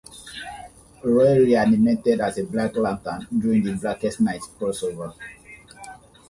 Roy reanimated as a Black Lantern during the "Blackest Night" crossover.